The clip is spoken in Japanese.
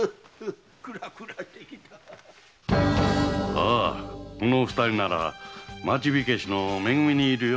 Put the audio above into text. ああこの二人なら町火消のめ組にいるよ。